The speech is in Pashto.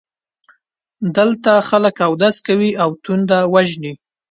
دلته خلک اودس کوي او تنده وژني.